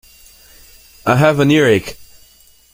I have an earache